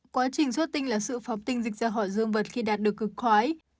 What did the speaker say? quá trình xuất tinh là sự phóng tinh dịch ra hỏi dương vật khi đạt được cực khoái